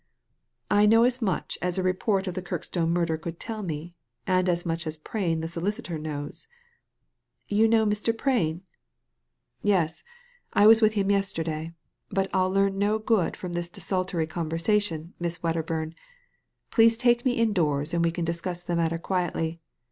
^'I know as much as a report of the Kirkstone murder could tell me: and as much as Prain the solicitor knows.'' '•VouknowMr, Praiq?" Digitized by Google KIRKSTONE HALL 93 " Yes 1 I was with him yesterday. But Tli learn no good from this desultory conversation, Miss Wed derbum. Please take me indoors and we can discuss the matter quietly.